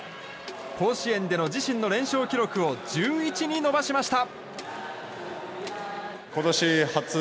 甲子園での自身の連勝記録を１１に伸ばしました。